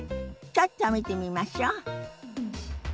ちょっと見てみましょ。